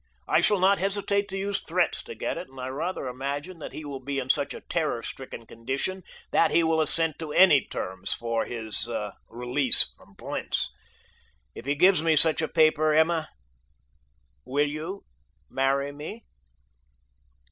I shall not hesitate to use threats to get it, and I rather imagine that he will be in such a terror stricken condition that he will assent to any terms for his release from Blentz. If he gives me such a paper, Emma, will you marry me?"